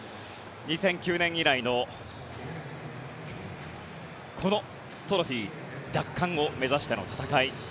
２００９年以来のこのトロフィー奪還を目指しての戦い。